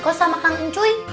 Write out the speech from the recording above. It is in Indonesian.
kok salah makanin cuy